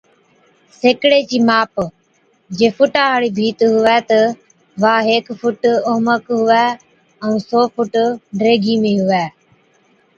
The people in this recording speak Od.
سيڪڙي چِي ماپ، جي فُٽا هاڙِي ڀِيت هُوَي تہ وا هيڪ فُٽ اوهمڪ هُوَي ائُون سئو فُٽ ڊيگھِي ۾ هُوَي